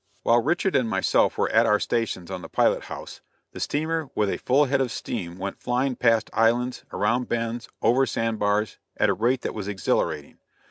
While Richard and myself were at our stations on the pilot house, the steamer with a full head of steam went flying past islands, around bends, over sand bars, at a rate that was exhilarating.